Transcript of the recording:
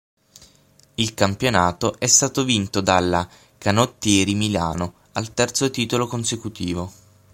Il campionato è stato vinto dalla Canottieri Milano, al terzo titolo consecutivo.